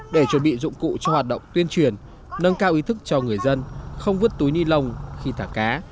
để chuẩn bị dụng cụ cho hoạt động tuyên truyền nâng cao ý thức cho người dân không vứt túi ni lông khi thả cá